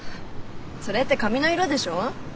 それって髪の色でしょ？